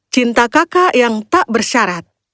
cinta kakak yang tak bersyarat